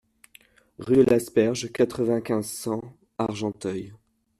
Rue de l'Asperge, quatre-vingt-quinze, cent Argenteuil